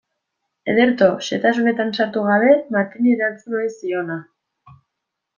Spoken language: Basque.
Ederto, xehetasunetan sartu gabe, Martini erantzun ohi ziona.